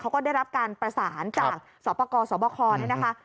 เขาก็ได้รับการประสานจากสอบประกอบสอบประคอนเนี่ยนะคะ